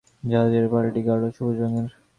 জাহাজের পালটি গাঢ় সবুজ রঙের।